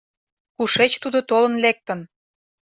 Кушеч тудо толын лектын?